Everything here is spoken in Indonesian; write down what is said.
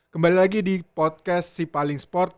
kembali lagi di podcast sipaling sport